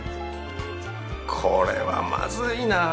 これはまずいなぁ。